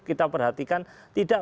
kita perhatikan tidak